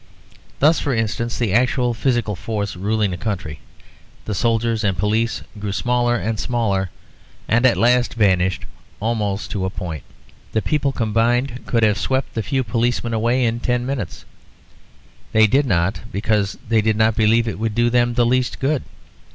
Thus, for instance, the actual physical force ruling the country, the soldiers and police, grew smaller and smaller, and at last vanished almost to a point. The people combined could have swept the few policemen away in ten minutes: they did not, because they did not believe it would do them the least good.